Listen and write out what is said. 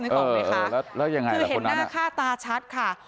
นึกออกเลยค่ะคือเห็นหน้าค่าตาชัดค่ะ